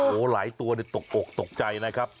โหหลายตัวตกใจนะครับ